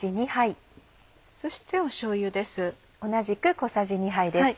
そしてしょうゆです。